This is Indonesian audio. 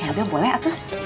yaudah boleh atu